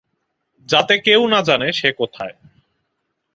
যাতে কেউ না জানে সে কোথায়।